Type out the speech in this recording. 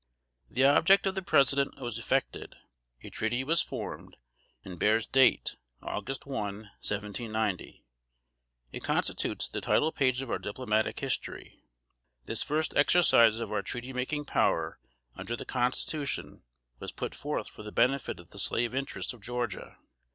The object of the President was effected, a treaty was formed, and bears date August 1, 1790. It constitutes the title page of our diplomatic history. This first exercise of our treaty making power under the constitution, was put forth for the benefit of the Slave interests of Georgia.